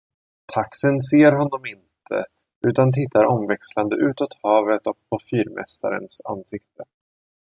Taxen ser honom inte, utan tittar omväxlande utåt havet och på fyrmästarens ansikte.